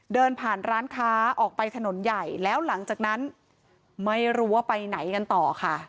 เดินผ่านร้านค้าออกไปถนนใหญ่แล้วหลังจากนั้นไม่รู้ว่าไปไหนกันต่อค่ะ